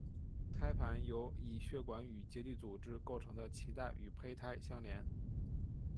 胎盘由以血管与结缔组织构成的脐带与胚胎相连。